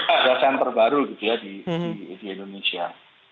ada center baru gitu ya di indonesia